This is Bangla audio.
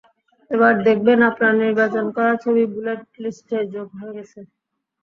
এবার দেখবেন আপনার নির্বাচন করা ছবি বুলেট লিস্টে যোগ হয়ে গেছে।